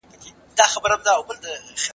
احمد شاه ابدالي د ځمکي ستونزې څنګه هوارولي؟